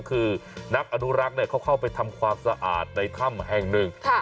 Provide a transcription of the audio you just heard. กันคือนักอดูรักษ์เข้าไปทำความสะอาดในถ้ำแห่งนึง